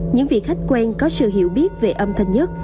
những vị khách quen có sự hiểu biết về âm thanh nhất